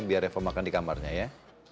biar revo makan di kamarnya ya